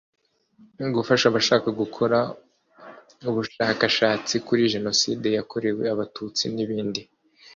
gufasha abashaka gukora ubushakashatsi kuri Jenoside yakorewe Abatutsi n’ibindi